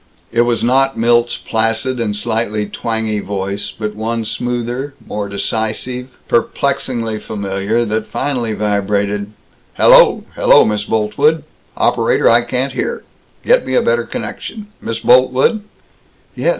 It was not Milt's placid and slightly twangy voice but one smoother, more decisive, perplexingly familiar, that finally vibrated, "Hello! Hello! Miss Boltwood! Operator, I can't hear. Get me a better connection. Miss Boltwood?" "Yes!